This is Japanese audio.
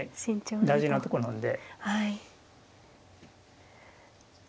大事なとこなんで。